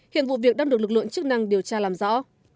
hiện vụ việc đang được lực lượng chức năng điều tra làm rõ